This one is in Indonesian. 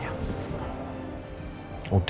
kalau memang enggak ada